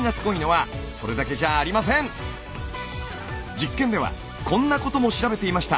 実験ではこんなことも調べていました。